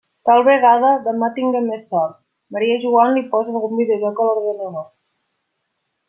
Tal vegada demà tinga més sort Maria i Joan li pose algun videojoc a l'ordinador.